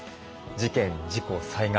事件事故災害。